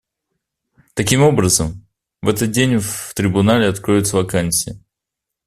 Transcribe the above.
Таким образом, в этот день в Трибунале откроется вакансия.